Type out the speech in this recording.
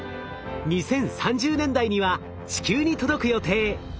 ２０３０年代には地球に届く予定。